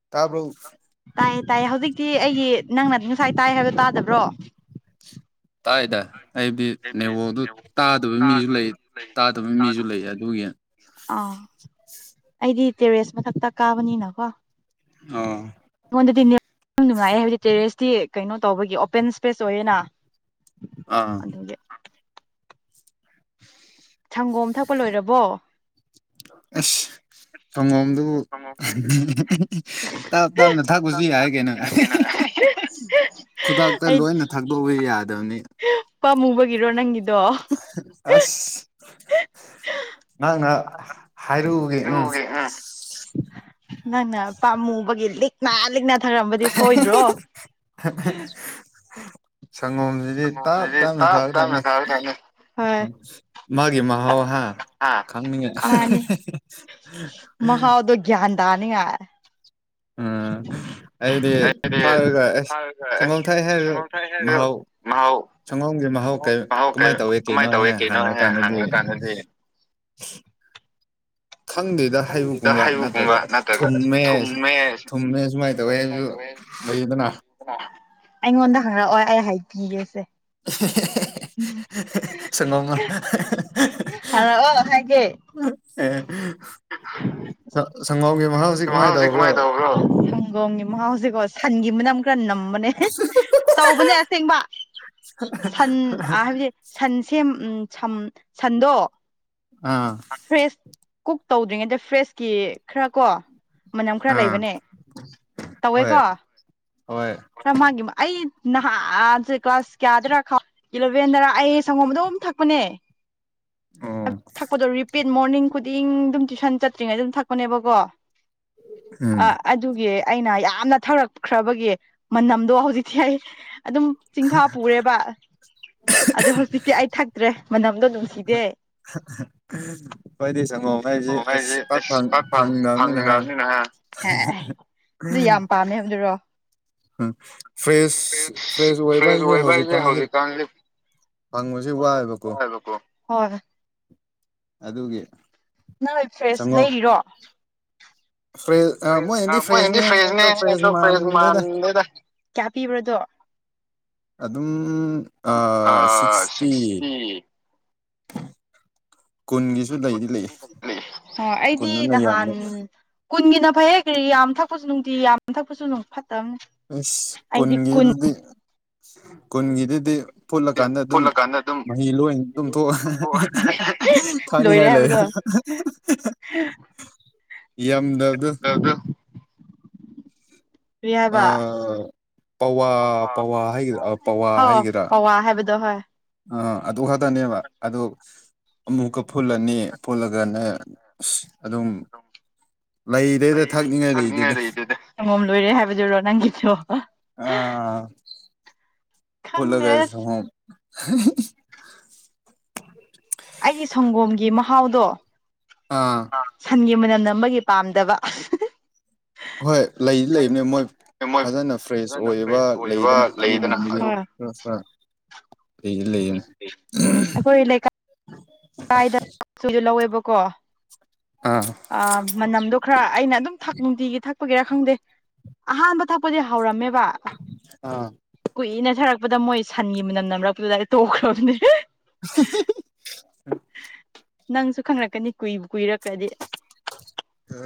ꯑꯣ ꯇꯥꯏꯌꯦ ꯇꯥꯏꯌꯦ ꯍꯧꯖꯤꯛꯇꯤ ꯑꯩꯒꯤ ꯅꯪꯅꯗꯤ ꯉꯁꯥꯏ ꯇꯥꯏ ꯍꯥꯏꯕ ꯇꯥꯗꯕ꯭ꯔꯣ ꯇꯥꯏꯗ ꯑꯩꯗꯤ ꯅꯦꯋꯣꯗꯨ ꯇꯥꯗꯕꯒꯤ ꯃꯤꯁꯨ ꯂꯩ ꯇꯥꯗꯕꯒꯤ ꯃꯤꯁꯨ ꯇꯥꯗꯕ ꯂꯩ ꯑꯗꯨꯒꯤ ꯂꯩ ꯑꯥ ꯑꯩꯗꯤ ꯇꯦꯔꯦꯁ ꯃꯊꯛꯇ ꯀꯥꯕꯅꯤꯅꯀꯣ ꯑꯣ ꯑꯩꯉꯣꯟꯗꯗꯤ ꯌꯥꯝ ꯅꯨꯡꯉꯥꯏ ꯍꯥꯏꯕꯗꯤ ꯇꯦꯔꯦꯁꯇꯤ ꯀꯩꯅꯣ ꯇꯧꯕꯒꯤ ꯑꯣꯄꯦꯟ ꯏꯁꯄꯦꯁ ꯑꯣꯏꯌꯦꯅ ꯑꯥ ꯑꯗꯨꯒꯤ ꯁꯪꯒꯣꯝ ꯊꯛꯄ ꯂꯣꯏꯔꯕꯣ ꯑꯁ ꯁꯪꯒꯣꯝꯗꯨ ꯇꯞ ꯇꯞꯅ ꯊꯛꯄꯁꯨ ꯌꯥꯏ ꯀꯩꯅꯣ ꯈꯨꯗꯛꯇ ꯑꯩ ꯂꯣꯏꯅ ꯊꯥꯗꯣꯛꯄ ꯌꯥꯗꯕꯅꯤ ꯄꯥꯃꯨꯕꯒꯤꯔꯣ ꯅꯪ ꯑꯁ ꯅꯍꯪꯅ ꯍꯥꯏꯔꯨꯕꯒꯤ ꯎꯝ ꯅꯪꯅ ꯄꯥꯃꯨꯕꯒꯤ ꯂꯤꯛꯅ ꯂꯤꯛꯅ ꯆꯠꯊꯔꯝꯕꯗꯤ ꯁꯣꯏꯗ꯭ꯔꯣ ꯁꯪꯒꯣꯝꯁꯤꯗꯤ ꯇꯥꯞ ꯁꯪꯒꯣꯝꯗꯨꯗꯤ ꯇꯥꯞꯅ ꯇꯞ ꯊꯥꯕ ꯇꯞꯅ ꯊꯪꯅꯤ ꯊꯛꯀꯗꯕꯅꯤ ꯍꯣꯏ ꯃꯥꯒꯤ ꯃꯍꯥꯎ ꯍꯥ ꯑꯥ ꯈꯪꯅꯤꯡꯉꯦ ꯃꯥꯅꯤ ꯃꯍꯥꯎꯗꯣ ꯒ꯭ꯌꯥꯟ ꯇꯥꯅꯤꯡꯉꯥꯏ ꯑꯥ ꯑꯩꯗꯤ ꯊꯥꯛꯔꯒ ꯑꯁ ꯊꯥꯔꯒ ꯁꯪꯒꯣꯝ ꯑꯁ ꯊꯥꯏ ꯍꯥꯏꯔꯒ ꯁꯪꯒꯣꯝ ꯊꯛꯑꯦ ꯍꯥꯏꯔꯒ ꯃꯍꯥꯎ ꯃꯍꯥꯎ ꯁꯪꯒꯣꯝꯒꯤ ꯃꯍꯥꯎꯩ ꯁꯪꯒꯣꯝꯒꯤ ꯃꯍꯥꯎ ꯀꯩ ꯀꯃꯥꯏꯅ ꯇꯧꯏꯤ ꯀꯩꯅꯣ ꯀꯃꯥꯏꯅ ꯇꯧꯋꯤ ꯍꯦꯛ ꯀꯩꯅꯣ ꯍꯥꯡꯉ ꯍꯥꯏꯅ ꯀꯥꯟꯗꯗꯤ [inaudible] ꯍꯪꯂꯀꯥꯟꯗꯗꯤ ꯈꯪꯗꯗ ꯈꯪꯗꯦꯗ ꯍꯩꯕꯨꯛꯀꯨꯝꯕ ꯅꯠꯇ꯭ꯔꯒ ꯍꯩꯕꯒꯨꯝꯕ ꯅꯠꯇ꯭ꯔꯒ ꯊꯨꯝꯃꯦ ꯊꯨꯝꯃꯦ ꯊꯨꯝꯃꯦ ꯁꯨꯃꯥꯏꯅ ꯇꯧꯋꯦꯁꯨ ꯑꯩꯗꯅ ꯑꯩꯉꯣꯟꯗ ꯍꯪꯔꯛꯑꯣ ꯑꯩ ꯍꯥꯏꯈꯤꯒꯦꯁꯦ ꯍꯍꯍꯍ ꯁꯪꯒꯣꯝ ꯍꯍꯍ ꯍꯪꯔꯛꯑꯣ ꯍꯥꯏꯒꯦ ꯑꯦ ꯁꯪ ꯁꯪꯒꯣꯝꯒꯤ ꯃꯍꯥꯎꯁꯤ ꯃꯍꯥꯎ ꯀꯃꯥꯏꯅ ꯍꯧꯖꯤꯛ ꯇꯧꯕ꯭ꯔꯣ ꯀꯃꯥꯏ ꯇꯕ꯭ꯔꯣ ꯁꯪꯒꯣꯝꯒꯤ ꯃꯍꯥꯎꯁꯦꯀꯣ ꯁꯟꯒꯤ ꯃꯅꯝ ꯈꯔ ꯅꯝꯕꯅꯦ ꯇꯧꯕꯅꯦ ꯑꯁꯦꯡꯕ ꯁꯟ ꯍꯥꯏꯕꯗꯤ ꯁꯟꯁꯦ ꯎꯝ ꯁꯟꯗꯣ ꯑꯥ ꯐ꯭ꯔꯦꯁ ꯀꯨꯛ ꯇꯧꯗ꯭ꯔꯤꯉꯩꯗ ꯐ꯭ꯔꯦꯁꯀꯤ ꯈꯔ ꯀꯣ ꯃꯅꯝ ꯈꯔ ꯑꯥ ꯂꯩꯕꯅꯦ ꯍꯣꯏ ꯇꯧꯋꯦꯀꯣ ꯍꯣꯏ ꯈꯔ ꯃꯥꯡꯒꯤ ꯑꯩ ꯅꯍꯥꯟꯁꯦ ꯀ꯭ꯂꯥꯁ ꯀꯌꯥꯗꯔ ꯏꯂꯚꯦꯟꯗꯔ ꯑꯩ ꯁꯪꯒꯣꯝꯗ ꯊꯛꯄꯅꯦ ꯑꯣ ꯊꯛꯄꯗꯣ ꯔꯤꯄꯤꯠ ꯃꯣꯔꯅꯤꯡ ꯈꯨꯗꯤꯡ ꯑꯗꯨꯝ ꯇ꯭ꯨꯁꯟ ꯆꯠꯇ꯭ꯔꯤꯉꯩꯗ ꯑꯗꯨꯝ ꯊꯛꯄꯅꯦꯕꯀꯣ ꯎꯝ ꯑ ꯑꯗꯨꯒꯤ ꯑꯩꯅ ꯌꯥꯝꯅ ꯊꯧꯔꯛꯈ꯭ꯔꯕꯒꯤ ꯃꯅꯝꯗꯣ ꯍꯧꯖꯤꯛꯇꯤ ꯑꯩ ꯑꯗꯨꯝ ꯆꯤꯡꯐꯥ ꯄꯨꯔꯦꯕ ꯑꯗ ꯍꯧꯖꯤꯛꯇꯤ ꯑꯩ ꯊꯛꯇ꯭ꯔꯦ ꯃꯅꯝ ꯁꯤꯗꯦ ꯑꯩꯣꯏꯗꯤ ꯆꯪꯉꯣ ꯍꯥꯏꯁꯦ ꯁꯪꯒꯣꯝ ꯑꯦꯁ ꯄ ꯑꯁ ꯄꯥꯛ ꯐꯪ ꯐꯪꯗꯕꯅꯤ ꯅꯍ ꯐꯪꯗꯕꯅꯤꯅ ꯍꯥ ꯑꯦ [unintelligible] ꯑꯗꯨ ꯌꯥꯝ ꯄꯥꯝꯃꯦ ꯑꯗꯨꯔꯣ ꯎꯝ ꯐ꯭ꯔꯦꯁ ꯐ꯭ꯔꯦꯁ ꯑꯣꯏꯕ ꯍꯥꯏꯁꯦ ꯍꯧꯖꯤꯛꯀꯥꯟꯗꯤ ꯍꯪꯕꯁꯦ ꯋꯥꯏꯑꯦꯕꯀꯣ ꯋꯥꯏꯕꯀꯣ ꯍꯣꯏ ꯑꯗꯨꯒꯤ ꯅꯣꯏ ꯐ꯭ꯔꯦꯁ ꯁꯪꯒꯣꯝ ꯂꯩꯔꯤꯔꯣ ꯐ꯭ꯔꯦꯁ ꯑ ꯐꯦ ꯃꯣꯏꯅꯗꯤ ꯃꯗꯤ ꯐ꯭ꯔꯦꯁꯅꯦ ꯑꯗꯣ ꯐ꯭ꯔꯦꯁ ꯃꯥꯟꯗꯦꯗ ꯃꯥꯗꯦꯗ ꯀꯌꯥ ꯄꯤꯕ꯭ꯔꯗꯣ ꯑꯗꯨꯝ ꯑ ꯁꯤꯛꯁꯇꯤ ꯀꯨꯟꯒꯤꯁꯨ ꯂꯩꯗꯤ ꯂꯩ ꯑ ꯑꯩꯗꯤ ꯀꯨꯟꯗꯨꯅ ꯌꯥꯝꯃꯦ ꯅꯍꯥꯟ ꯀꯨꯟꯒꯤꯅ ꯐꯩꯌꯦꯈ꯭ꯔꯤ ꯌꯥꯝ ꯊꯛꯄꯁꯨ ꯅꯨꯡꯇꯤ ꯌꯥꯝ ꯊꯛꯄꯁꯨ ꯅꯨꯡ ꯐꯠꯇꯕꯅꯤ ꯑꯩꯗꯤ ꯀꯨꯟ ꯎ ꯀꯨꯟꯒꯤꯗꯨꯗꯤ ꯐꯨꯠꯂꯀꯥꯟꯗ ꯑꯗꯨꯝ ꯐꯨꯠꯂꯀꯥꯟꯗ ꯑꯗꯨꯝ ꯃꯍꯤ ꯂꯣꯏꯅ ꯑꯗꯨꯝ ꯊꯣꯛꯣꯛꯑ ꯍꯥꯏꯪꯅꯤꯡꯉꯥꯏ ꯂꯩ ꯍꯥ ꯌꯥꯝꯗꯔꯗꯨ ꯍꯕ ꯄꯋꯥ ꯄꯋꯥ ꯍꯥꯏꯒꯗ꯭ꯔꯥ ꯄꯋꯥ ꯍꯥꯎ ꯄꯧꯋꯥ ꯍꯥꯏꯕꯗꯣ ꯍꯣꯏ ꯑ ꯑꯗꯨ ꯈꯛꯇꯅꯦꯕ ꯑꯗꯣ ꯑꯃꯨꯛꯀ ꯐꯨꯠꯂꯅꯤ ꯐꯨꯜꯂꯒꯅ ꯑꯗꯨꯝ ꯂꯩꯗꯦꯗ ꯊꯛꯅꯤꯡꯉꯥꯏ ꯊꯅꯤꯡꯉꯥꯏ ꯂꯩꯗꯦꯗ ꯂꯩꯪꯉꯣꯝ ꯂꯣꯏꯔꯦ ꯍꯥꯏꯕꯗꯨꯔꯣ ꯅꯪꯒꯤ ꯑꯥ ꯐꯂꯣꯒ ꯈꯪꯗ꯭ꯔꯦ ꯑꯁ ꯍ ꯑꯩꯒꯤ ꯁꯪꯒꯣꯝꯒꯤ ꯃꯍꯥꯎꯗꯣ ꯑꯥ ꯁꯟꯒꯤ ꯃꯅꯝ ꯅꯝꯕꯒꯤ ꯄꯥꯝꯗꯕ ꯍꯣꯏ ꯂꯩ ꯂꯩꯕꯅꯦ ꯃꯣꯏ ꯃꯣꯏ ꯐꯖꯅ ꯐ꯭ꯔꯦꯁ ꯐꯖꯅ ꯑꯣꯏꯕ ꯐ꯭ꯔꯦꯁ ꯑꯣꯏꯕ ꯂꯩꯗꯅ ꯂꯩꯗꯅ ꯑꯗꯨꯒꯨꯝꯕ ꯌ ꯑꯗꯨ ꯐꯔ ꯐꯔ ꯂꯩ ꯂꯩꯅꯤ ꯀꯥꯏꯗꯣꯏꯁꯨ ꯂꯧꯋꯦꯕꯀꯣ ꯑꯥ ꯑ ꯃꯅꯝꯗꯣ ꯈꯔ ꯑꯩꯅ ꯑꯗꯨꯝ ꯊꯛ ꯅꯨꯡꯇꯤꯒꯤ ꯊꯛ ꯊꯄꯒꯤꯦꯔꯥ ꯈꯪꯗꯦ ꯑꯍꯥꯟꯕ ꯊꯛꯄꯗꯤ ꯍꯧꯔꯝꯃꯦꯕ ꯑꯥ ꯎꯝ ꯀꯨꯏꯅ ꯊꯔꯛꯄ ꯂꯄꯗ ꯃꯣꯏ ꯁꯟꯒꯤ ꯃꯅꯝ ꯅꯝꯔꯛꯄꯗꯨꯗ ꯇꯣꯛꯈ꯭ꯔꯕꯅꯦ [unintelligible] ꯅꯪꯁꯨ ꯈꯪꯂꯛꯀꯅꯤ ꯀꯨꯏ ꯀꯨꯏꯔꯛꯈ꯭ꯔꯗꯤ ꯑ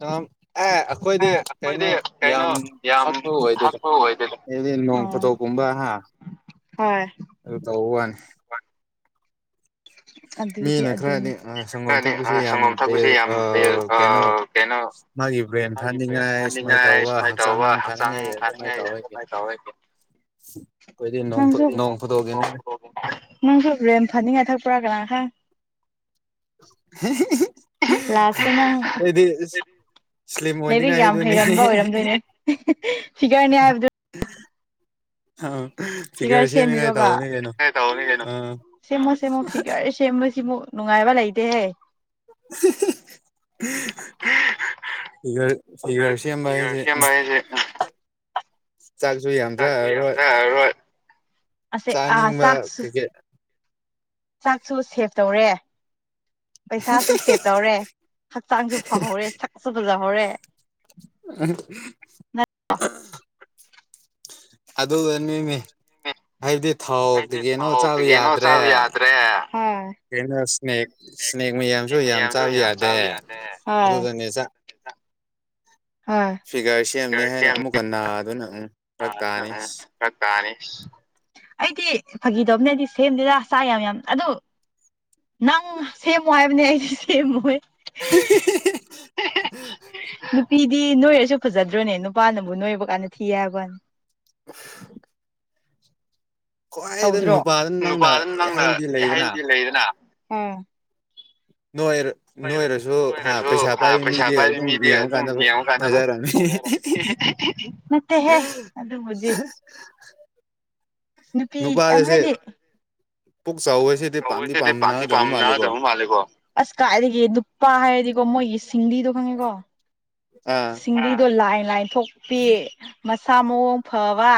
ꯑ ꯑꯦ ꯑꯩꯈꯣꯏꯗꯤ ꯑꯦ ꯀꯩꯅꯣ ꯑꯩꯈꯣꯏꯗꯤ ꯀꯩꯅꯣ ꯌꯥꯝ ꯌꯥꯝ ꯊꯛꯄ ꯑꯣꯏꯗꯦꯗ ꯊꯛꯄ ꯑꯣꯏꯗꯦꯗ ꯍꯥꯏꯗꯤ ꯅꯣꯡ ꯑꯣ ꯐꯣꯊꯣꯛꯀꯨꯝꯕ ꯇꯝꯕ ꯍꯥ ꯍꯣꯏ ꯑꯗꯨ ꯇꯧ ꯋꯥꯅꯤ ꯑꯗꯨꯗꯤ ꯃꯤꯅ ꯈꯔꯗꯤ ꯑꯗꯨꯅꯦ ꯁꯪꯒꯣꯝ ꯈꯔꯗꯤ ꯊꯛꯄꯁꯦ ꯌꯥꯝ ꯁꯪꯒꯣꯝ ꯊꯛꯄꯁꯦ ꯌꯥꯝ ꯀꯩꯅꯣ ꯍꯥꯏꯦ ꯍꯥꯏ ꯐꯥꯅꯤꯡꯉꯥꯏ ꯁꯨꯃꯥꯏꯅ ꯇꯧꯕ ꯍꯛꯆꯥꯡ ꯐꯅꯤꯡꯉꯥꯏ ꯑꯗꯨꯃꯥꯏꯅ ꯐꯅꯤꯡꯉꯥꯏ ꯇꯧꯔꯒꯦ ꯀꯃꯥꯏꯅ ꯇꯧ ꯑꯩ ꯑꯩꯈꯣꯏꯗꯤ ꯅꯣꯡ ꯅꯪꯁꯨ ꯅꯣꯡ ꯐꯨꯗꯣꯛꯒꯤꯅꯤ ꯅꯪꯁꯨ ꯔꯦꯝ ꯊꯥꯅꯤꯡꯉꯥꯏ ꯊ ꯄꯨꯔꯒ꯭ꯔꯥꯡ ꯍꯥꯏ [unintelligible] ꯂꯥꯛꯄꯤꯅꯪ ꯁ꯭ꯂꯤꯝ ꯂꯩꯗꯤ ꯑꯣꯏꯅꯤꯡꯉꯥꯏ ꯌꯥꯝ ꯍꯥꯏꯗꯨꯅꯤ ꯍꯩꯔꯝꯕ ꯑꯣꯏꯔꯝꯗꯣꯏꯅꯦ ꯐꯤꯒꯔꯅꯤ ꯍꯥꯏꯕꯗꯨ ꯑꯥꯎ ꯐꯤꯒꯔ ꯁꯦꯝꯕꯤꯔꯣꯕ ꯑꯥ ꯁꯦꯝꯃꯣ ꯁꯦꯝꯃꯣ ꯐꯤꯒꯔ ꯁꯦꯝꯕꯁꯤꯃꯨ ꯅꯨꯡꯉꯥꯏꯕ ꯂꯩꯇꯦꯍꯦ [unintelligible] ꯒ ꯐꯤꯒꯔ ꯐꯤꯒꯔ ꯊꯤꯒꯔꯁꯤꯝꯕꯁꯦ ꯁꯦꯝꯕ ꯍꯥꯏꯁꯦ ꯌꯥꯝ ꯑ ꯆꯥꯅꯤꯡꯕ ꯀꯩꯀꯩ ꯆꯥꯛꯁꯨ ꯁꯦꯞ ꯇꯧꯔꯦ ꯄꯩꯁꯥꯁꯨ ꯁꯦꯚ ꯇꯧꯔꯦ ꯍꯛꯆꯥꯡꯁꯨ ꯐꯍꯧꯔꯦ ꯁꯛꯁꯨ ꯐꯖꯍꯧꯔꯦ ꯑ ꯑꯗꯨꯒꯃꯤ ꯍꯥꯏꯕꯗꯤ ꯊꯥꯎꯇ ꯑꯩꯗꯤ ꯀꯅꯣ ꯊꯥꯎ ꯆꯥꯕ ꯀꯩꯀꯩꯅꯣ ꯌꯥꯗ꯭ꯔꯦ ꯆꯥꯕ ꯌꯥꯗ꯭ꯔꯦ ꯍꯣꯏ ꯀꯩꯅꯣ ꯏꯁꯅꯦꯛ ꯏꯁꯅꯦꯛ ꯃꯌꯥꯝꯁꯨ ꯌꯥꯝ ꯆꯥꯕ ꯌꯥꯗꯦ ꯑꯗꯨꯗꯅꯦ [unintelligible] ꯍꯣꯏ ꯏꯁꯤꯒꯔ ꯁꯦꯝꯅꯤ ꯐꯤꯒꯔ ꯍꯥꯏꯅ ꯁꯦꯝ ꯑꯃꯨꯛꯀ ꯅꯥꯗꯨꯅ ꯑꯃꯨ ꯔꯛ ꯇꯥꯅꯤ ꯐꯔꯛ ꯇꯥꯅꯤ ꯑꯩꯗꯤ ꯐꯥꯈꯤꯗꯕꯅꯗꯤ ꯁꯦꯝꯗꯦꯗ ꯆ ꯌꯥꯝ ꯌꯥꯝ ꯑꯗꯨ ꯅꯪ ꯁꯦꯝꯃꯣ ꯍꯥꯏꯕꯅꯦ ꯑꯩꯁꯨꯦ ꯁꯦꯝꯃꯨꯣꯏ [unintelligible] ꯗꯤ ꯅꯣꯏꯔꯁꯨ ꯐꯖꯗ꯭ꯔꯣꯅꯦ ꯅꯨꯄꯥꯅꯕꯨ ꯅꯣꯏꯕ ꯀꯥꯟꯗ ꯊꯤꯌꯦ ꯍꯥꯏꯕꯅꯤ [unintelligible] ꯈ꯭ꯋꯥꯏꯗ ꯇꯧꯗ꯭ꯔꯣ ꯅꯨꯄꯥꯗ ꯅꯨꯄꯥ ꯅꯪꯅ ꯑꯗꯨꯝ ꯅꯪꯅ ꯍꯥꯏꯕꯗꯤ ꯂꯩꯗꯅ ꯍꯌꯦꯗꯤ ꯂꯩꯗꯅ ꯎ ꯅꯣꯏ ꯅꯣꯏꯔꯁꯨ ꯍꯥ ꯅꯣꯏꯗꯁꯨ ꯄꯩꯁꯥ ꯄꯥꯏꯕ ꯄꯩꯁꯥ ꯃꯤꯗꯤ ꯄꯥꯏꯕ ꯑꯗꯨꯝ ꯃꯤꯗꯤ ꯑꯗꯨꯝ ꯌꯦꯡꯉꯀꯥꯟꯗ ꯌꯦꯡꯉꯀꯥꯟꯗ ꯐꯖꯔꯝꯅꯤ ꯐꯖꯔꯅꯤ ꯅꯠꯇꯦꯍꯦ ꯑꯗꯨꯕꯨꯗꯤ [unintelligible] ꯅꯨꯄꯤ ꯅꯨꯄꯥꯗꯁꯦ ꯍꯥꯏꯗꯤ ꯄꯨꯛ ꯆꯥꯎꯕꯁꯤꯗꯤ ꯄꯥꯝꯗꯤ ꯄꯥꯝꯅꯗꯕ ꯝ ꯃꯥꯜꯂꯦꯀꯣ ꯃꯥꯦꯣ ꯑꯁ ꯀꯥꯏꯗꯒꯤ ꯅꯨꯄꯥ ꯍꯥꯏꯔꯗꯤꯀꯣ ꯃꯣꯏꯒꯤ ꯁꯤꯡꯂꯤꯗꯣ ꯈꯪꯉꯦꯀꯣ ꯑꯥ ꯁꯤꯡꯂꯤꯩꯗꯣ ꯂꯥꯏꯟ ꯂꯥꯏꯟ ꯊꯣꯛꯄꯤ ꯃꯁꯥ ꯃꯎꯡ ꯐꯕ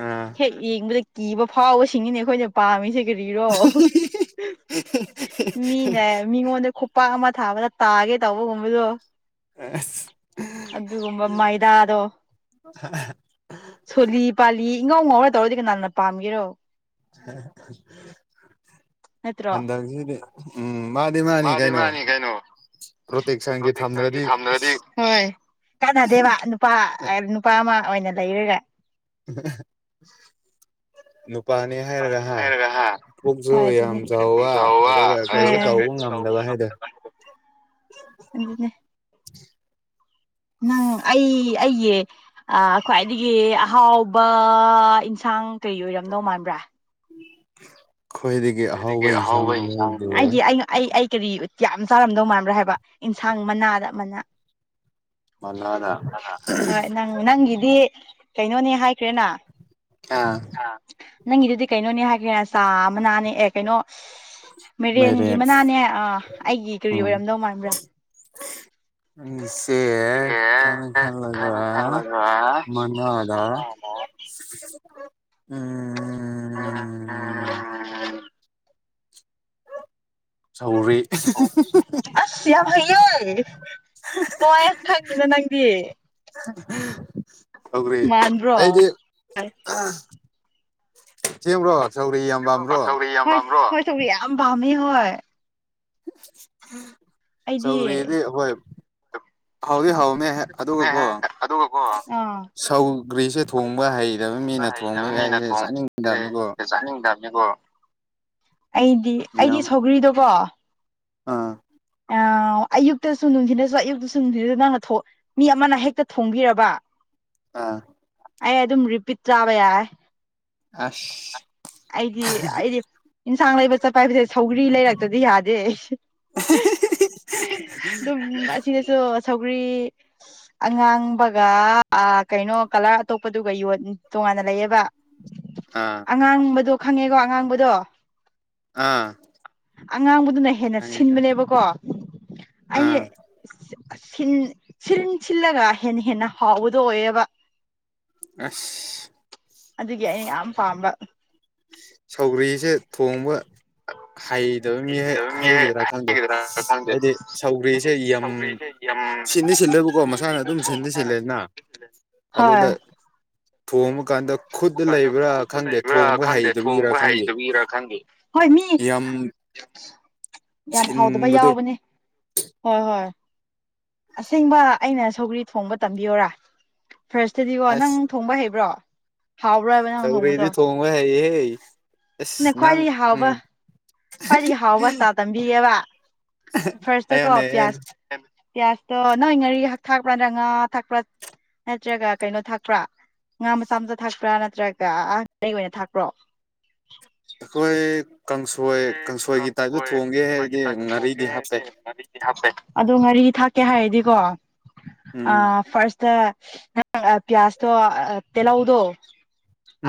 ꯑꯥ ꯍꯦꯛ ꯌꯦꯡꯕꯗ ꯀꯤꯕ ꯐꯥꯎꯕꯁꯤꯡꯅꯤꯅꯦ ꯑꯩꯈꯣꯏꯅ ꯄꯥꯝꯃꯤꯁꯤ ꯔꯤꯔꯣ ꯃꯤꯅꯦ ꯃꯤꯉꯣꯟꯗ ꯈꯨꯄꯥꯛ ꯑꯃ ꯊꯥꯕꯗ ꯇꯥꯒꯦ ꯇꯧꯕꯒꯨꯝꯕꯗꯣ ꯑꯁ ꯑꯗꯨꯒꯨꯝꯕ ꯃꯣꯏꯗꯥꯗꯣ ꯁꯣꯜꯂꯤ ꯄꯥꯜꯂꯤ ꯏꯉꯥꯎ ꯉꯥꯎꯔ ꯇꯧꯔꯗꯤ ꯀꯅꯥꯅ ꯄꯥꯝꯒꯦꯔꯣ ꯍꯟꯗꯛꯁꯤꯗꯤ ꯎꯝ ꯃꯥꯗꯤ ꯃꯥꯅꯤ ꯀꯩꯅꯣ ꯄ꯭ꯔꯣꯇꯁꯒꯤ ꯊꯝꯗ꯭ꯔꯗꯤ ꯀꯥꯟꯅꯗꯦꯕ ꯅꯨꯄꯥ ꯅꯨꯄꯥ ꯑꯃ ꯑꯣꯏꯅ ꯂꯩꯔꯒ [inaudible] ꯄꯅꯤ ꯍꯥꯏꯔꯒ ꯃꯥꯅꯤ ꯍꯥ ꯄꯨꯛꯁꯨ ꯍꯣꯏ ꯌꯥꯝ ꯑꯗꯨꯅꯦ ꯆꯥꯎꯕ ꯑꯗꯨꯒ ꯀꯩꯁꯨ ꯇꯧꯕ ꯉꯝꯗꯕ ꯍꯥꯏꯗꯣ [inaudible] [inaudible] ꯑꯗꯨꯅꯦ [inaudible] ꯅꯪ ꯑꯩ ꯑꯩꯒꯤꯦ ꯈ꯭ꯋꯥꯏꯗꯒꯤ ꯑꯍꯥꯎꯕ ꯏꯟꯁꯥꯡ ꯑꯉꯥꯡ ꯀꯩ ꯑꯣꯏꯔꯝꯅꯧ ꯃꯥꯟꯕ꯭ꯔꯥ ꯑꯩꯈꯣꯏꯗꯒꯤ ꯑꯍꯥꯎꯕ ꯍ ꯌꯦꯟꯁꯥꯡꯗꯤ ꯑꯩꯒꯤ ꯀꯔꯤ ꯌꯥꯝ ꯆꯥꯔꯝꯗꯧ ꯃꯥꯟꯕ꯭ꯔꯥ ꯍꯥꯏꯕ ꯑꯦꯟꯁꯥꯡ ꯃꯅꯥꯗ ꯃꯅꯥ ꯃꯅꯥꯅ ꯍꯣꯏ ꯅꯪ ꯅꯪꯒꯤꯗꯤ ꯀꯩꯅꯣꯅꯦ ꯍꯥꯏꯈ꯭ꯔꯦꯅꯥ ꯑꯥ ꯑ ꯅꯪꯒꯤꯗꯨꯗꯤ ꯀꯩꯅꯣꯅꯦ ꯍꯥꯏꯈ꯭ꯔꯦ ꯆꯥ ꯃꯅꯥꯅꯦ ꯑꯦ ꯀꯩꯅꯣ ꯃꯦꯔꯦꯟꯒꯤ ꯃꯥꯏꯔꯦꯟ ꯃꯅꯥꯅꯦ ꯑ ꯑꯩꯒꯤ ꯀꯔꯤ ꯑꯣꯏꯔꯝꯗꯧ ꯃꯥꯟꯕ꯭ꯔꯥ ꯎꯝ ꯁ ꯈꯪ ꯈꯂ ꯃꯉꯗ ꯎꯝ ꯁꯧꯔꯤ ꯑꯁꯤꯍꯩꯌꯦ ꯀ ꯈꯪꯉꯤꯅ ꯅꯪꯗꯤ ꯍꯧ꯭ꯔꯤ ꯃꯥꯟꯕ꯭ꯔꯣ ꯑꯩꯗꯤ ꯁꯦꯝ꯭ꯔꯣ ꯍꯣꯏ ꯌꯥꯝ ꯑꯩꯗꯤ ꯁꯧꯒꯔꯤꯗꯤ ꯍꯣꯏ ꯍꯥꯎꯗꯤ ꯍꯥꯎ ꯑꯗꯨꯒꯀꯣ ꯑꯗꯨꯒꯀꯣ ꯑꯥ ꯁꯧꯒ꯭ꯔꯤꯁꯦ ꯊꯣꯡꯕ ꯍꯩꯕ ꯃꯤꯅ ꯈꯔ ꯊꯣꯡꯕ ꯍꯩꯇꯕ ꯌꯥ ꯃꯤꯅ ꯁꯦ ꯆꯥꯅꯤꯡꯉꯗꯕꯅꯤꯀꯣ ꯊꯣꯡꯕꯁꯦ ꯆꯥꯅꯤꯡꯗꯕꯅꯤꯀꯣ ꯑꯩꯗꯤ ꯑꯩꯗꯤ ꯁꯧꯒ꯭ꯔꯤꯗꯣꯀꯣ ꯑꯥ ꯑ [inaudible] ꯑꯌꯨꯛꯇꯁꯨ ꯅꯨꯡꯊꯤꯅꯁꯨ ꯑꯌꯨꯛꯇꯁꯨ ꯅꯨꯡꯊꯤ ꯅꯪꯅ ꯃꯤ ꯑꯃꯅ ꯍꯦꯛꯇ ꯊꯣꯡꯕꯤꯔꯕ ꯑꯥ ꯑꯩ ꯑꯗꯨꯝ ꯔꯤꯄꯤꯠ ꯇꯥꯕ ꯌꯥꯏꯦ ꯑꯁ ꯑꯩꯗꯤ ꯑꯩꯗꯤ ꯌꯦꯟꯁꯥꯡ ꯂꯩꯕ ꯆꯠꯄ ꯍꯥꯏꯕꯕꯁꯤꯦ ꯁꯧꯒ꯭ꯔꯤ ꯂꯩꯔꯛꯇꯗꯤ ꯌꯥꯗꯦ ꯑꯩꯁꯦ ꯑꯗꯨꯝ ꯑꯁꯤꯗꯁꯨ ꯁꯧꯒꯔꯤ [inaudible] ꯑꯉꯥꯡꯕꯒ ꯀꯩꯅꯣ ꯀꯂꯔ ꯑꯇꯣꯞꯄꯗꯨꯒ ꯌ ꯇꯣꯉꯥꯟꯅ ꯂꯩꯌꯦꯕ ꯑꯥ ꯑꯉꯥꯡꯕꯗꯣ ꯈꯪꯉꯦꯀꯣ ꯑꯉꯥꯡꯕꯗꯣ ꯑꯥ ꯑꯉꯥꯡꯕꯗꯨꯅ ꯍꯦꯟꯅ ꯈꯪꯉꯦ ꯈꯪꯉꯦ ꯁꯤꯟꯕꯅꯦꯕꯀꯣ ꯑꯦ ꯑꯥ ꯁꯤꯜ ꯁꯤꯜꯂꯒ ꯍꯦꯟꯅ ꯍꯦꯟꯅ ꯍꯥꯎꯕꯗꯣ ꯑꯣꯏꯑꯕ ꯑꯁ ꯑꯗꯨꯒꯤ ꯑꯩꯅ ꯌꯥꯝ ꯄꯥꯝꯕ ꯁꯧꯒ꯭ꯔꯤꯁꯦ ꯊꯣꯡꯕ ꯍꯩꯗꯕ ꯃꯤ ꯍꯩꯒꯗ꯭ꯔꯥ ꯈꯪꯗꯦ ꯍꯥꯏꯗꯤ ꯁꯧꯒ꯭ꯔꯤꯁꯦ ꯍꯥꯏꯗꯤ ꯌ ꯁꯧꯒ꯭ꯔꯤꯁꯦ ꯌꯥꯝ ꯁꯤꯟꯗ ꯁꯤꯜꯂꯦꯕꯀꯣ ꯃꯁꯥꯅ ꯑꯗꯨꯝ ꯁꯤꯟꯟꯅ ꯁꯤꯜꯂꯦꯅ ꯏꯗ ꯑꯗꯗ ꯗ ꯈꯪꯗꯦ ꯈ ꯊꯣꯡꯕ ꯈꯪꯗꯦꯦ ꯍꯩꯇꯕꯒꯤꯔꯥ ꯊꯣꯡꯒ ꯈꯪꯗꯦ ꯍꯩꯗꯕꯤꯔꯥ ꯈꯪꯗꯦ ꯍꯣꯌ ꯃꯤ ꯌꯥꯝ ꯌꯥꯝ ꯍꯥꯎꯗꯕ ꯁꯤꯟꯕꯗꯣ ꯌꯥꯎꯕꯅꯦ ꯍꯣꯏ ꯍꯣꯏ ꯑꯁꯦꯡꯕ ꯑꯩꯅ ꯁꯧꯒ꯭ꯔꯤ ꯊꯣꯡꯕ ꯇꯝꯕꯤꯌꯔꯥ ꯐꯥꯔꯁꯇꯗꯤꯀꯣ ꯅꯪ ꯊꯣꯡꯕ ꯍꯩꯕ꯭ꯔꯣ ꯍꯥꯎꯕ꯭ꯔꯕ ꯅꯪ ꯊꯣꯡꯕꯗꯣ ꯆꯧꯔꯦꯗꯤ ꯊꯣꯡꯉ ꯍꯩꯍꯦ ꯑꯁ ꯅꯪ ꯎꯝ ꯐꯗꯤ ꯍꯥꯎꯕ ꯑꯁꯇꯥ ꯇꯝꯕꯤꯒꯦꯕ ꯐꯥꯔꯁꯇꯀꯣ ꯍꯥꯏꯌꯣꯅꯦ ꯍꯥꯏꯌꯣꯅꯦ ꯄꯤꯌꯥꯁ ꯄꯤꯌꯥꯁꯇꯣ ꯅꯣꯏ ꯉꯥꯔꯤ ꯍꯛ ꯊꯥꯛꯄ꯭ꯔ ꯅ꯭ꯔ ꯉꯥ ꯊꯥꯛꯄ꯭ꯔꯥ ꯅꯠꯇ꯭ꯔꯒ ꯀꯩꯅꯣ ꯊꯥꯛꯄ꯭ꯔꯥ ꯉꯥ ꯃꯆꯥ ꯃꯆꯥ ꯊꯥꯛꯄ꯭ꯔꯥ ꯅꯠꯇ꯭ꯔꯒ ꯑꯍꯩ ꯑꯣꯏꯅ ꯊꯥꯛꯄ꯭ꯔꯣ ꯑꯩꯈꯣꯏ ꯀꯥꯡꯁꯣꯏ ꯀꯥꯡꯁꯣꯏꯒꯤ ꯇꯥꯏꯞꯇ ꯀꯥꯡꯁꯣꯏ ꯊꯣꯡꯒꯦ ꯀꯥꯡꯁꯣꯏꯒꯤ ꯍꯥꯏꯔꯗꯤ ꯇꯥꯏꯞꯇ ꯊꯣꯡꯒꯦ ꯉꯥꯔꯤꯗꯤ ꯍꯥꯞꯄꯦ ꯍꯥꯏꯔꯗꯤ ꯉꯥꯔꯤꯗꯤ ꯍꯥꯞꯄꯦ ꯑꯗꯣ ꯉꯥꯔꯤ ꯊꯥꯛꯀꯦ ꯍꯥꯏꯔꯗꯤꯀꯣ ꯎꯝ ꯐꯥꯔꯁꯇ ꯄꯤꯌꯥꯖ ꯇꯣ ꯇꯂ ꯎꯗꯣ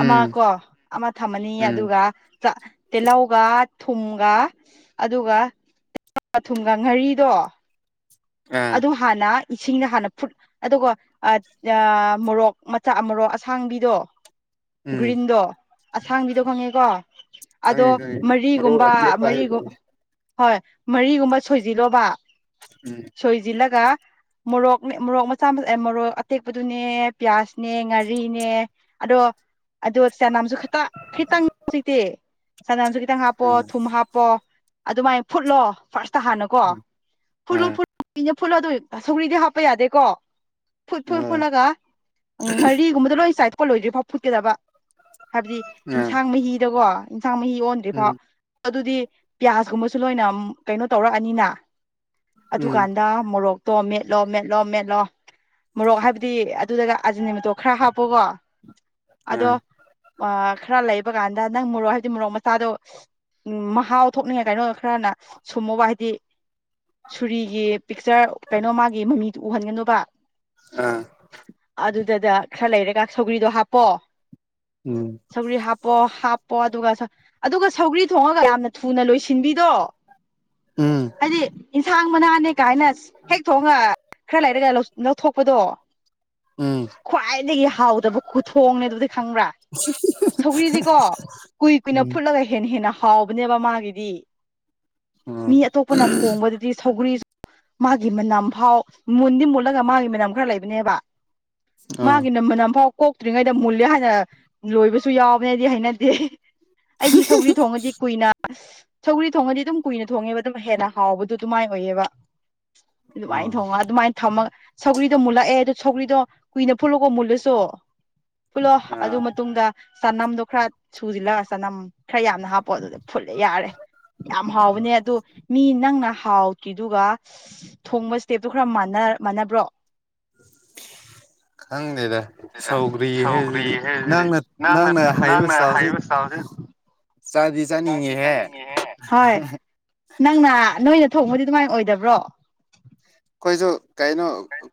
ꯑꯃ ꯀꯣ ꯑꯃ ꯊꯝꯃꯅꯤ ꯎꯝ ꯑꯗꯨꯒ ꯇꯤꯍꯧꯒ ꯊꯨꯝꯒ ꯑꯗꯨꯒ ꯊꯨꯝꯒ ꯉꯥꯔꯤꯗꯣ ꯑꯥ ꯑꯗꯨ ꯍꯅ ꯏꯁꯤꯡꯅ ꯍꯥꯟꯅ ꯐꯨꯠ ꯑꯗꯨꯒ ꯃꯣꯔꯣꯛ ꯃꯆꯥ ꯃꯣꯔꯣꯛ ꯑꯁꯥꯡꯕꯤꯗꯣ ꯎꯝ ꯒ꯭ꯔꯤꯟꯗꯣ ꯑꯁꯥꯡꯕꯤꯗꯣ ꯈꯪꯉꯦꯀꯣ ꯑꯗꯣ ꯈꯪꯉꯦ ꯈꯪꯉꯦ ꯃꯔꯣꯛ ꯃꯔꯤꯒꯨꯝꯕ ꯑꯇꯦꯛꯄ ꯃꯔꯤꯒꯨꯝ ꯍꯥꯏꯕꯗꯨꯅꯤ ꯍꯣꯏ ꯃꯔꯤꯒꯨꯝꯕ ꯁꯣꯏꯖꯤꯜꯂꯣꯕ ꯎꯝ ꯁꯣꯏꯁꯤꯜꯂꯒ ꯃꯣꯔꯣꯛꯅꯦ ꯃꯣꯔꯣꯛ ꯃꯆꯥ ꯃꯆꯥ ꯃꯣꯔꯣꯛ ꯑꯇꯦꯛꯄꯗꯨꯅꯦ ꯄꯤꯌꯥꯁ ꯅꯦ ꯉꯥꯔꯤꯅꯦ ꯑꯗꯣ ꯑꯗꯨ ꯆꯅꯥꯝꯁꯨ ꯈꯤꯇ ꯈꯤꯇꯪꯇꯦ ꯆꯅꯝꯁꯨ ꯈꯤꯇꯪ ꯍꯥꯞꯄꯣ ꯑꯥ ꯊꯨꯝ ꯍꯥꯞꯄꯣ ꯑꯗꯨꯃꯥꯏꯅ ꯐꯨꯠꯂꯣ ꯐꯥꯔꯁꯇ ꯍꯥꯟꯅ ꯀꯣ ꯎꯝ ꯐꯨꯠꯂꯣ ꯑꯥ ꯐꯨ ꯃꯤꯅ ꯐꯨꯜꯂꯣ ꯑꯗꯨꯝ ꯁꯧꯒꯔꯤꯗꯤꯩ ꯍꯥꯞꯄ ꯌꯥꯗꯦꯀꯣ ꯐꯨꯠ ꯐꯨꯠ ꯑꯥ ꯐꯨꯠꯂꯒ ꯎ ꯉꯥꯔꯤꯒꯨꯝꯕꯗ ꯂꯣꯏ ꯆꯥꯏꯄꯣꯠꯂꯣꯏꯗ꯭ꯔꯤꯐꯥꯎ ꯐꯨꯠꯀꯗꯕ ꯍꯥꯏꯕꯗꯤ ꯑꯥ ꯌꯦꯟꯁꯥꯡ ꯃꯍꯤꯗꯀꯣ ꯏꯟꯁꯥꯡ ꯃꯍꯤ ꯑꯣꯟꯗ꯭ꯔꯤ ꯐꯥꯎ ꯎꯝ ꯑꯗꯨꯗꯤ ꯄꯤꯌꯥꯁꯀꯨꯝꯕꯁꯨ ꯂꯣꯏꯅ ꯀꯩꯅꯣ ꯇꯧꯔꯛꯑꯅꯤꯅ ꯎꯝ ꯑꯗꯨꯀꯥꯟꯗ ꯃꯣꯔꯣꯛ ꯇꯣ ꯃꯦꯠꯂꯣ ꯃꯦꯠꯂꯣ ꯃꯦꯠꯂꯣ ꯃꯣꯔꯣꯛ ꯍꯥꯏꯕꯗꯤ ꯑꯗꯨꯗꯒ ꯑꯥꯖꯤꯅꯤ ꯃꯇꯣꯛ ꯈꯔ ꯍꯥꯞꯄꯣꯀꯣ ꯑꯗꯣ ꯑꯥ ꯈꯔ ꯂꯩꯕ ꯀꯥꯟꯗ ꯅꯪ ꯃꯣꯔꯣꯛ ꯍꯥꯏꯕꯗꯤ ꯃꯣꯔꯣꯛ ꯃꯆꯥꯗꯣ ꯎꯝ ꯃꯍꯥꯎ ꯊꯣꯛꯅꯤꯡꯉꯦ ꯀꯩꯅꯣ ꯈꯔꯅ ꯁꯨꯝꯃꯨꯕ ꯍꯥꯏꯗꯤ ꯁꯨꯔꯤꯒꯤ ꯄꯤꯛꯆꯔ ꯀꯩꯅꯣ ꯃꯥꯒꯤ ꯃꯃꯤꯗꯨ ꯎꯍꯟꯒꯅꯨꯕ ꯑꯥ ꯑꯗꯨꯗ ꯈꯔ ꯂꯩꯔꯒ ꯁꯧꯒ꯭ꯔꯤꯗꯣ ꯍꯥꯞꯄꯣ ꯎꯝ ꯁꯧꯒꯔꯤ ꯍꯥꯞꯄꯣ ꯍꯥꯞꯄꯣ ꯑꯗꯨꯒ ꯑꯗꯨꯒ ꯁꯧꯒꯔꯤ ꯊꯣꯡꯉꯒ ꯌꯥꯝꯅ ꯊꯨꯅ ꯂꯣꯏꯁꯤꯟꯕꯤꯗꯣ ꯎꯝ ꯍꯥꯏꯗꯤ ꯊꯥꯡ ꯃꯅꯥꯅꯦ ꯀꯥꯏꯅ ꯍꯦꯛ ꯊꯣꯡꯉ ꯈꯔ ꯂꯩꯔ ꯂꯧꯊꯣꯛꯄꯗꯣ ꯎꯝ ꯈ꯭ꯋꯥꯏꯗꯒꯤ ꯍꯥꯎꯗꯕ ꯈꯨꯊꯣꯡꯅꯦ ꯑꯗꯨꯗꯤ ꯈꯪꯕ꯭ꯔꯥ ꯁꯧꯔꯤꯗꯤꯀꯣ ꯀꯨꯏ ꯀꯨꯏꯅ ꯎꯝ ꯐꯨꯠꯂꯒ ꯍꯦꯟꯅ ꯍꯦꯟꯅ ꯍꯥꯎꯕꯅꯦꯕ ꯃꯥꯒꯤꯗꯤ ꯑꯥ ꯃꯤ ꯑꯇꯣꯞꯄꯅ ꯊꯣꯡꯕꯗꯨ ꯔꯤ ꯃꯥꯒꯤ ꯃꯅꯝ ꯐꯥꯎ ꯃꯨꯟꯗꯤ ꯃꯨꯜꯂꯒ ꯃꯥꯒꯤ ꯃꯅꯝ ꯈꯔ ꯂꯩꯕꯅꯦꯕ ꯑꯥ ꯃꯥꯒꯤꯅꯝꯕ ꯅ ꯐ [unintelligible] ꯀꯣꯛꯇ꯭ꯔꯤꯉꯩꯗ ꯃꯨꯜꯂꯦ ꯍꯥꯏꯅ ꯂꯣꯏꯕꯁꯨ ꯌꯥꯎꯕꯅꯤ ꯑꯩꯗꯤ ꯍꯩꯅꯗꯦ ꯑꯩꯗꯤ ꯁꯧꯒ꯭ꯔꯤ ꯊꯣꯡꯉꯗꯤ ꯀꯨꯏꯅ ꯁꯧꯒ꯭ꯔꯤ ꯊꯣꯡꯉꯗꯤ ꯑꯗꯨꯝ ꯀꯨꯏꯅ ꯊꯣꯡꯉꯦꯕ ꯑꯗꯨꯝ ꯍꯦꯟꯅ ꯍꯥꯎꯕ ꯑꯗꯨꯃꯥꯏꯅ ꯑꯣꯏꯌꯦꯕ ꯑꯗꯨꯃꯥꯏꯅ ꯑꯥ ꯊꯣꯡꯉꯒ ꯑꯗꯨꯃꯥꯏꯅ ꯊꯝꯃꯒ ꯁꯧꯒ꯭ꯔꯤꯗꯣ ꯃꯨꯜꯂꯛꯑꯦ ꯑꯗꯨꯗꯣ ꯁꯧꯒ꯭ꯔꯤꯗꯣ ꯀꯨꯏꯅ ꯐꯨꯠꯂꯨꯀꯣ ꯃꯨꯜꯂꯁꯨ ꯄꯨꯜꯂꯣ ꯑꯥ ꯑꯗꯨꯏ ꯃꯇꯨꯡꯗ ꯆꯅꯝꯗꯣ ꯈꯔ ꯁꯨꯁꯤꯜꯂꯣ ꯆꯅꯝ ꯈꯔ ꯌꯥꯝꯅ ꯍꯥꯞꯄꯣ ꯑꯗꯨꯗ ꯐꯨꯠꯂꯦ ꯌꯥꯔꯦ ꯌꯥꯝ ꯍꯥꯎꯕꯅꯦ ꯑꯗꯨ ꯃꯤ ꯅꯪꯅ ꯊꯥꯎꯀꯤꯗꯨꯒ ꯊꯣꯡꯕ ꯏꯁꯇꯦꯞꯇꯣ ꯈꯔ ꯃꯥꯟꯅ ꯃꯥꯟꯅꯕ꯭ꯔꯣ ꯈꯪꯗꯦꯗ ꯑꯗꯨꯗ ꯁꯧꯒ꯭ꯔꯤ ꯁꯧꯒ꯭ꯔꯤ ꯍꯥꯏꯕꯁꯤꯗꯤ ꯍꯥꯏꯁꯤꯗꯤ ꯅꯪꯅ ꯅꯪꯅ ꯍꯥꯏꯔꯤꯕ ꯅꯪꯅ ꯆꯁꯤ ꯍꯥꯏꯔꯤꯕ ꯏꯁꯇꯥꯏꯜꯁꯤ [unintelligible] ꯍꯣꯏ ꯅꯪꯅ ꯅꯣꯏꯅ ꯊꯣꯡꯕꯗꯤ ꯑꯗꯨꯃꯥꯏꯅ ꯑꯣꯏꯗꯕ꯭ꯔꯣ ꯈꯣꯏꯁꯨ ꯀꯩꯅꯣ